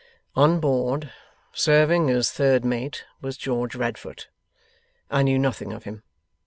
'On board serving as third mate was George Radfoot. I knew nothing of him.